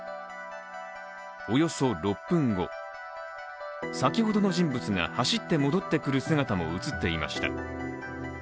およそ６分後、先ほどの人物が走って戻ってくる姿も映っていました。